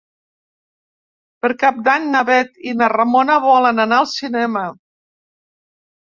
Per Cap d'Any na Bet i na Ramona volen anar al cinema.